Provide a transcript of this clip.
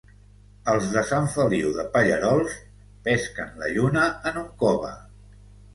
Els de Sant Feliu de Pallerols, pesquen la lluna en un cove.